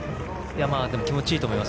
でも気持ちいいと思います。